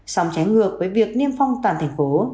song trái ngược với việc niêm phong toàn thành phố